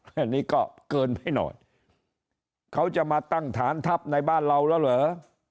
อันนี้ก็เกินไปหน่อยเขาจะมาตั้งฐานทัพในบ้านเราแล้วเหรอ